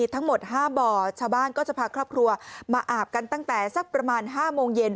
ทั้งหมด๕บ่อชาวบ้านก็จะพาครอบครัวมาอาบกันตั้งแต่สักประมาณ๕โมงเย็น